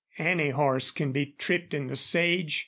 "Any horse can be tripped in the sage.